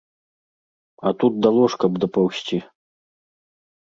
А тут да ложка б дапаўзці.